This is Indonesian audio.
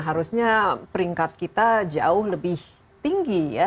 harusnya peringkat kita jauh lebih tinggi ya